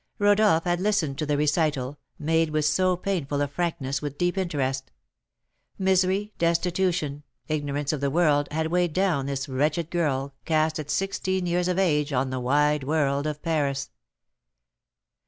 Rodolph had listened to the recital, made with so painful a frankness, with deep interest. Misery, destitution, ignorance of the world, had weighed down this wretched girl, cast at sixteen years of age on the wide world of Paris!